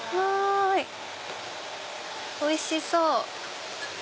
おいしそう！